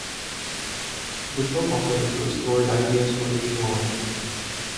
The book also includes story ideas for each world.